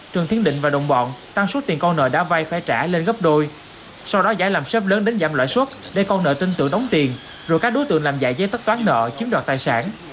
trần thiên định và đồng bọn tăng số tiền con nợ đã vay phải trả lên gấp đôi sau đó giải làm xếp lớn đến giảm lãi suất để con nợ tin tưởng đóng tiền rồi các đối tượng làm giải giấy tất toán nợ chiếm đoạt tài sản